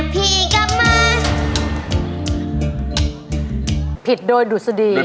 ผิดโดยดูดสดี